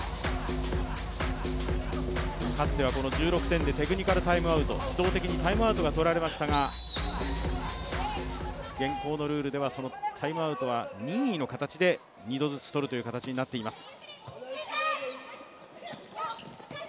かつては１６点でテクニカルタイムアウト、自動的にタイムアウトが取られましたが、現行のルールではタイムアウトは任意の形で２度ずつ取るという形になっています。